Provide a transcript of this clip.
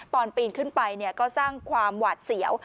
ตอนปีนขึ้นไปก็สร้างความหวาดเสียว